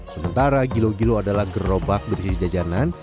sementara gilo gilo adalah gerobak berisi jajanan